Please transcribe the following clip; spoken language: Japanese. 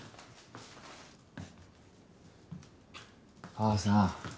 母さん？